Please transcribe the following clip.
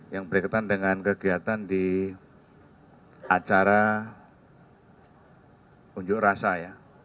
yang berkaitan dengan kegiatan di acara unjuk rasa ya